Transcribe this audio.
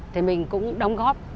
thì mình cũng đóng góp